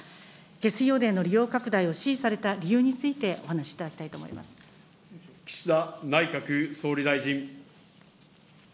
下水汚泥の利用拡大を指示された理由について、お話いただきたい岸田内閣総理大臣。